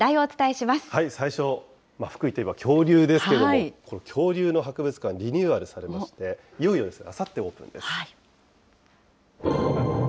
最初、福井といえば恐竜ですけれども、これ、恐竜の博物館、リニューアルされまして、いよいよ、あさってオープンです。